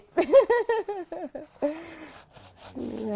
tekniknya ya ngirit